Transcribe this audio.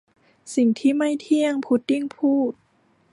'สิ่งที่ไม่เที่ยง !' พุดดิ้งพูด